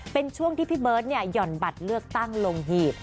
เป็นช่วงที่พี่เบิร์ตหย่อนบัตรเลือกตั้งลงหีบ